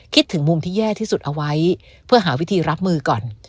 ถึงมุมที่แย่ที่สุดเอาไว้เพื่อหาวิธีรับมือก่อน